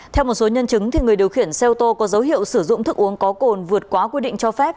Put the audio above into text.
theo một số nhân chứng người điều khiển xe ô tô có dấu hiệu sử dụng thức uống có cồn vượt quá quy định cho phép